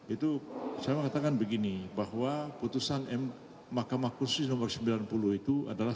itu saya mengatakan begini bahwa putusan mahkamah kursi nomor sembilan puluh itu adalah